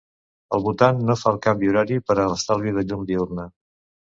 El Bhutan no fa el canvi horari per a l'estalvi de llum diürna.